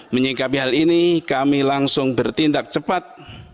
menyikapi hal ini kami langsung bertindak cepat